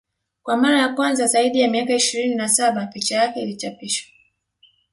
Kwa mara ya kwanza zaidi ya miaka ishirini na saba picha yake ilichapishwa